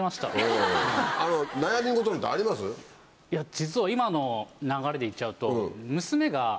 実は今の流れでいっちゃうと。